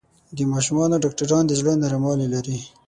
د ماشومانو ډاکټران د زړۀ نرموالی لري.